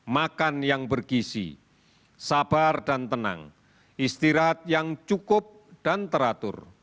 makan yang bergisi sabar dan tenang istirahat yang cukup dan teratur